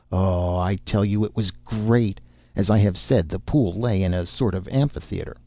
Oh, I tell you, it was great! As I have said, the pool lay in a sort of amphitheatre.